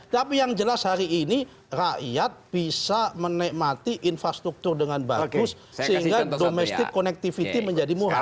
tapi yang jelas hari ini rakyat bisa menikmati infrastruktur dengan bagus sehingga domestic connectivity menjadi murah